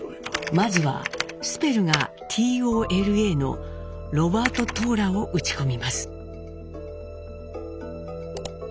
まずはスペルが「Ｔｏｌａ」のロバート・トーラを打ち込みます。